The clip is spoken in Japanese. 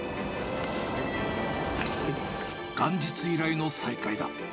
元日以来の再会だ。